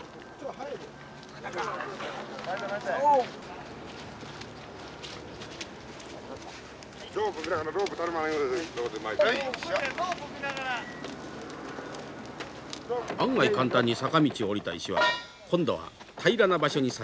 案外簡単に坂道を下りた石は今度は平らな場所にさしかかりました。